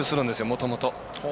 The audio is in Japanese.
もともと。